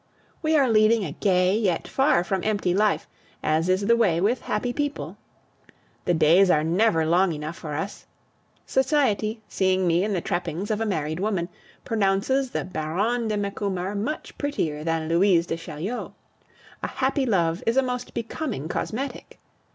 We are leading a gay, yet far from empty life, as is the way with happy people. The days are never long enough for us. Society, seeing me in the trappings of a married woman, pronounces the Baronne de Macumer much prettier than Louise de Chaulieu: a happy love is a most becoming cosmetic.